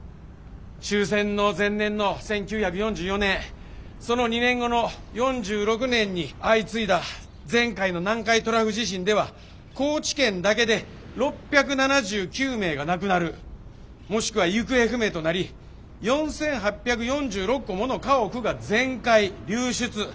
終戦の前年の１９４４年その２年後の４６年に相次いだ前回の南海トラフ地震では高知県だけで６７９名が亡くなるもしくは行方不明となり４，８４６戸もの家屋が全壊流出。